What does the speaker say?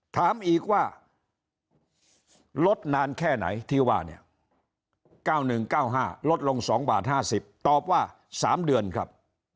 ถามอีกว่าลดนานแค่ไหนที่ว่าเนี่ย๙๑๙๕ลดลง๒บาท๕๐ตอบว่า๓เดือนครับ